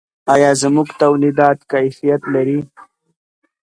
آیا زموږ تولیدات کیفیت لري؟